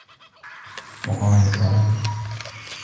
وَقَالَ تَعَالَى